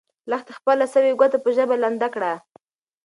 لښتې خپله سوې ګوته په ژبه لنده کړه.